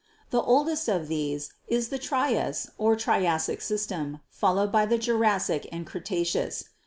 The oldest of these is the Trias or Triassic system, followed by the Jurassic and Cretaceous.